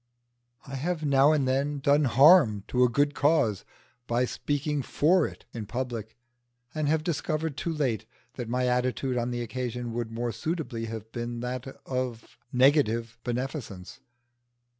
I have now and then done harm to a good cause by speaking for it in public, and have discovered too late that my attitude on the occasion would more suitably have been that of negative beneficence.